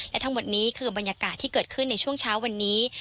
และทั้งหมดนี้คือบรรยากาศที่เกิดขึ้นในช่วงเช้าวันนี้